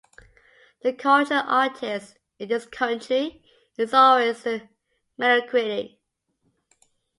The 'cultured' artist, in this country, is always a mediocrity.